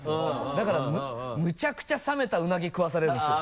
だからむちゃくちゃ冷めたうなぎ食わされるんですよ。